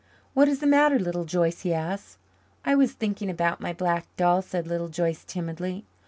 "What is the matter, Little Joyce?" he asked. "I was thinking about my black doll," said Little Joyce timidly.